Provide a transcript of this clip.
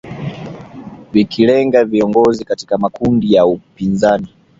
vikilenga viongozi katika makundi ya upinzani